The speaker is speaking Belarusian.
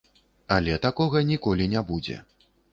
Але такога ніколі не будзе.